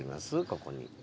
ここに。